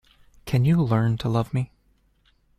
Can you learn to love me?